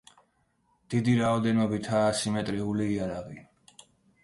დიდი რაოდენობითაა ასიმეტრიული იარაღი.